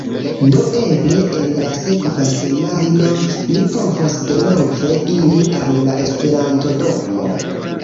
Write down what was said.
Do eble en la sekva semajno mi povos denove iri al la esperantodomo